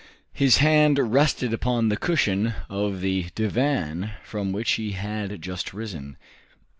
His hand rested upon the cushion of the divan from which he had just risen.